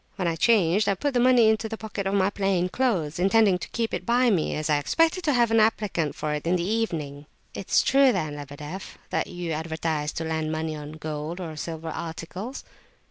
When I changed, I put the money into the pocket of my plain clothes, intending to keep it by me, as I expected to have an applicant for it in the evening." "It's true then, Lebedeff, that you advertise to lend money on gold or silver articles?"